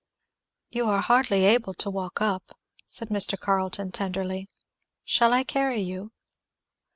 "You are hardly able to walk up," said Mr. Carleton tenderly. "Shall I carry you?"